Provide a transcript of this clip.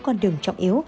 cùng lúc này